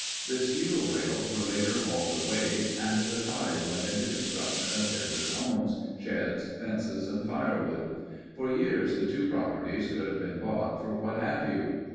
The steel rails were later hauled away and the ties went into construction of desert homes, sheds, fences, and firewood. For years the two properties could have been bought for what have you.